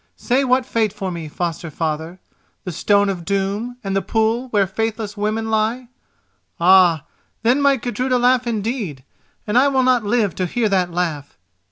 Say what fate for me, foster father—the Stone of Doom and the pool where faithless women lie? Ah, then might Gudruda laugh indeed, and I will not live to hear that laugh.